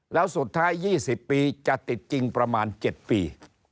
แล้วสุดท้าย๒๐ปีจะติดจริงประมาณ๗ปี